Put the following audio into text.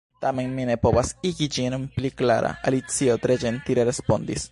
"Tamen mi ne povas igi ĝin pli klara," Alicio tre ĝentile respondis.